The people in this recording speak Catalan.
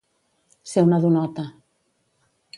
Ser una donota.